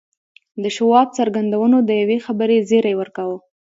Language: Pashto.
د شواب څرګندونو د یوې خبرې زیری ورکاوه